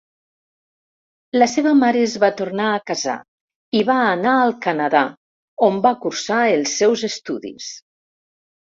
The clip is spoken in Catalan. La seva mare es va tornar a casar i va anar al Canadà, on va cursar els seus estudis.